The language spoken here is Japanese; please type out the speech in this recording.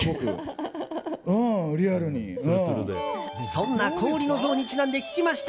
そんな氷の像にちなんで聞きました。